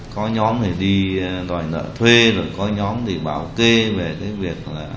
có nhóm thì đi đòi nợ thuê có nhóm thì bảo kê về việc